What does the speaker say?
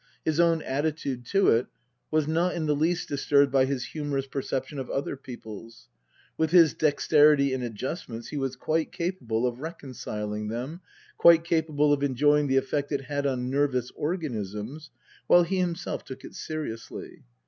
His own attitude to it was not in the least disturbed by his humorous perception of other people's. With his dexterity in adjustments he was quite capable of recon ciling them, quite capable of enjoying the effect it had on nervous organisms while he himself took it seriously.